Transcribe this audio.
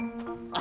あ。